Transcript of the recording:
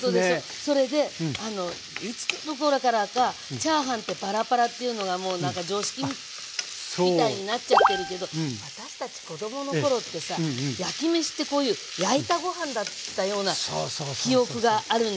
それでいつのころからかチャーハンってパラパラッというのがもう常識みたいになっちゃってるけど私たち子供の頃ってさ焼きめしってこういう焼いたご飯だったような記憶があるのよね。